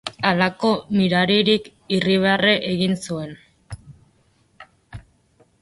Halako miraririk, irribarre egin zuen.